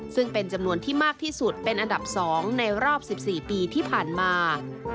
ซึ่งเป็นจำนวนที่มากที่สุดเป็นอันดับ๒ในรอบ๑๔ปีที่ผ่านมา